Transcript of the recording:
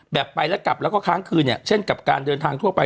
ไปแล้วกลับแล้วก็ค้างคืนเนี่ยเช่นกับการเดินทางทั่วไป